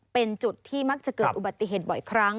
เป็นจุดที่มักจะเกิดอุบัติเหตุบ่อยครั้ง